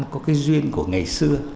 có cái duyên của ngày xưa